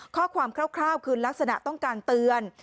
ข้อความคร่าวคือลักษณะต้องการเตือน